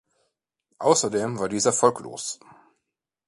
Außerdem war dies erfolglos.